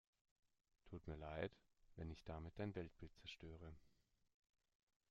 Tut mir leid, wenn ich damit dein Weltbild zerstöre.